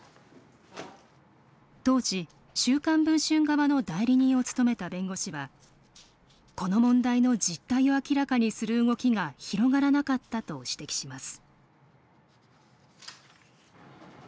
当時、週刊文春側の代理人を務めた弁護士は、この問題の実態を明らかにする動きが広がらなかったと指摘します。